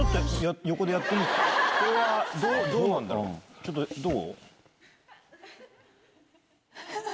ちょっとどう？